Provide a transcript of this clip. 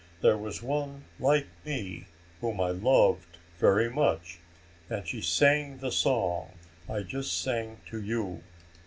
There was one like me whom I loved very much, and she sang the song I just sang to you.